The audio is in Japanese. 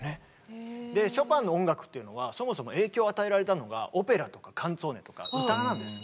ショパンの音楽っていうのはそもそも影響を与えられたのがオペラとかカンツォーネとか歌なんですね。